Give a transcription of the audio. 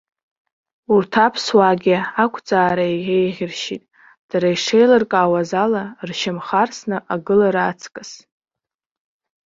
Урҭ аԥсуаагьы ақәӡаара еиӷьыршьеит, дара ишеилыркаауаз ала, ршьамхы арсны агылара аҵкыс.